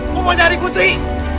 aku mau nyari putri